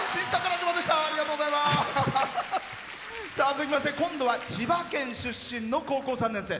続きまして今度は千葉県出身の高校３年生。